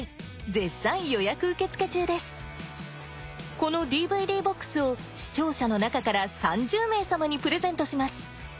この ＤＶＤ−ＢＯＸ を視聴者の中から３０名様にプレゼントします